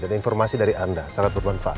dan informasi dari anda sangat bermanfaat